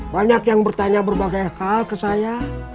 banyak yang bertanya berbagai hal ke saya